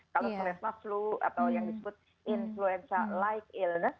kalau selesma flu atau yang disebut influenza like illness